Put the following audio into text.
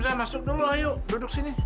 itu pak hamzah masuk dulu ayo duduk sini